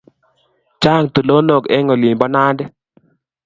Chang' tulonok eng' olin po Nandi.